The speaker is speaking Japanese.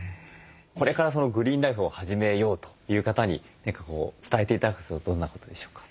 これからグリーンライフを始めようという方に何か伝えて頂くとするとどんなことでしょうか？